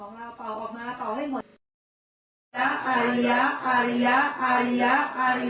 นี่พิธีเมื่อคืนนายทุศรศรีอรัยยะจะอยู่บนเก้าอี้